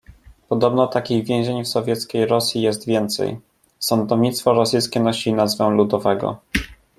"Podobno takich więzień w Sowieckiej Rosji jest więcej... Sądownictwo rosyjskie nosi nazwę ludowego."